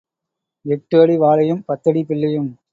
எட்டு அடி வாழையும் பத்தடி பிள்ளையும்.